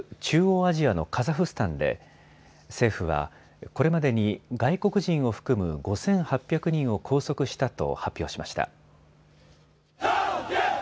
中央アジアのカザフスタンで政府はこれまでに、外国人を含む５８００人を拘束したと発表しました。